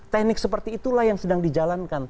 teknik seperti itulah yang sedang dijalankan